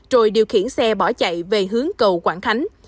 rồi điều khiển xe bỏ chạy về hướng cầu quảng khánh